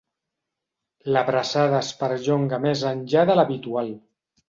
L'abraçada es perllonga més enllà de l'habitual.